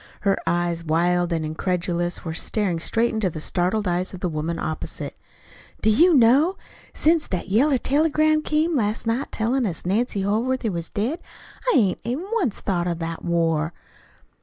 Her eyes, wild and incredulous, were staring straight into the startled eyes of the woman opposite. "Do you know? Since that yeller telegram came last night tellin' us Nancy Holworthy was dead, I hain't even once thought of the war."